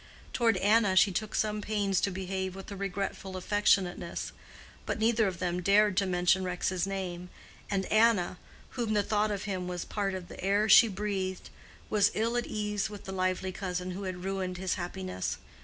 Toward Anna she took some pains to behave with a regretful affectionateness; but neither of them dared to mention Rex's name, and Anna, to whom the thought of him was part of the air she breathed, was ill at ease with the lively cousin who had ruined his happiness.